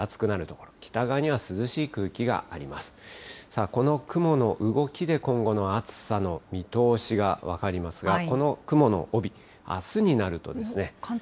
この雲の動きで、今後の暑さの見通しが分かりますが、この雲の帯、あすになるとですね。